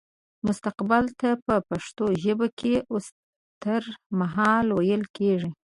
مستقبل ته په پښتو ژبه کې وستهرمهال ويل کيږي